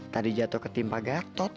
tadi jatuh ketimpa gatot